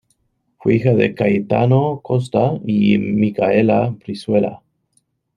Fue hija de Cayetano Costa y Micaela Brizuela.